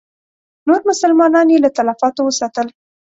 نور مسلمانان یې له تلفاتو وساتل.